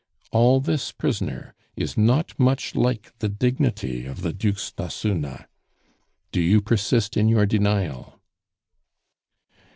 "All this, prisoner, is not much like the dignity of the Dukes d'Ossuna. "Do you persist in your denial?"